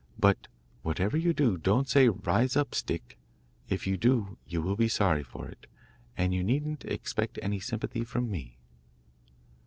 But, whatever you do, don't say "Rise up, Stick." If you do, you will be sorry for it, and you needn't expect any sympathy from me.